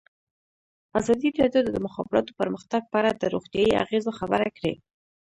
ازادي راډیو د د مخابراتو پرمختګ په اړه د روغتیایي اغېزو خبره کړې.